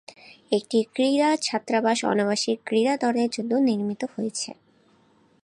একটি ক্রীড়া ছাত্রাবাস অনাবাসিক ক্রীড়া দলের জন্য নির্মিত হয়েছে।